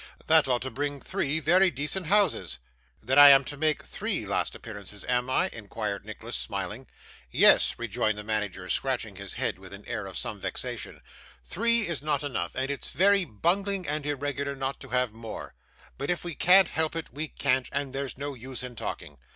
That ought to bring three very decent houses.' 'Then I am to make three last appearances, am I?' inquired Nicholas, smiling. 'Yes,' rejoined the manager, scratching his head with an air of some vexation; 'three is not enough, and it's very bungling and irregular not to have more, but if we can't help it we can't, so there's no use in talking.